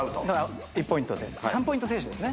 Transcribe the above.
１ポイントで３ポイント先取ですね。